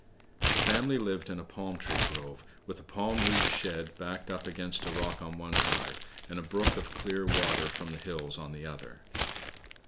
The family lived in a palm tree grove, with a palm leaf shed backed up against a rock on one side, and a brook of clear water from the hills on the other.